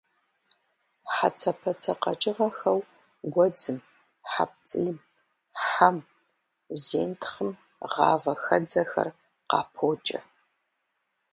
Хьэцэпэцэ къэкӀыгъэхэу гуэдзым, хьэпцӀийм, хъэм, зентхъым гъавэ хьэдзэхэр къапокӀэ.